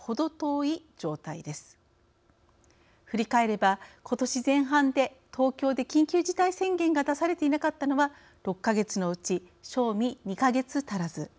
振り返ればことし前半で東京で緊急事態宣言が出されていなかったのは６か月のうち正味２か月足らず。